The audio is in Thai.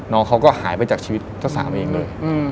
น้องเขาก็หายไปจากชีวิตเจ้าสาวเองเลย